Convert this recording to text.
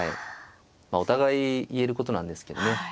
お互い言えることなんですけどね。